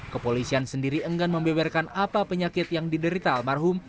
kepolisian sendiri enggan membeberkan apa penyakit yang diderita almarhum